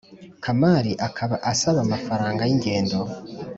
Kamali akaba asaba amafaranga y ingendo